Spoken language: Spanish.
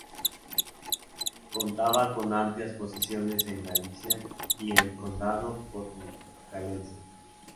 Contaba con amplias posesiones en Galicia y en el condado Portucalense.